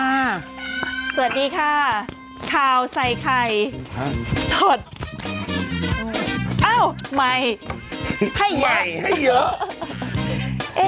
สวัสดีค่ะข้าวใส่ไข่สดอ้าวใหม่ให้ใหญ่ให้เยอะ